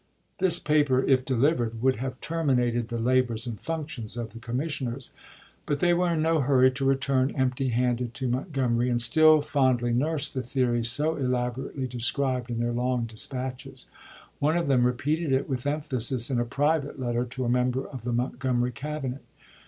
This paper, if delivered, would have terminated the labors and functions of the commissioners. But they were in no hurry to return empty handed to Montgomery, and still fondly nursed the theory so elaborately described in their long dispatches. One of them repeated it with emphasis in a private letter to a member of the Montgomery cabinet.